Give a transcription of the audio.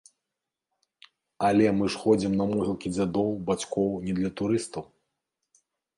Але мы ж ходзім на могілкі дзядоў, бацькоў не для турыстаў.